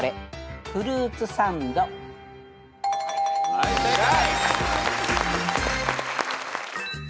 はい正解。